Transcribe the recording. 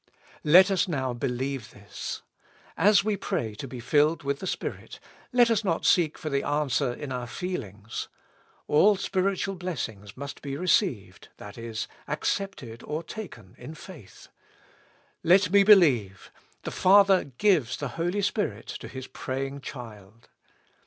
Let us now believe this. As we pray to be filled with the Spirit, let us not seek for the answer in our feelings. All spiritual blessings must be received, that is, accepted or taken in faith. ^ Let me believe, the Father gives the Holy Spirit to His praying child.